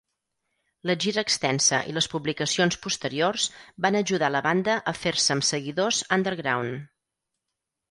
La gira extensa i les publicacions posteriors van ajudar la banda a fer-se amb seguidors underground.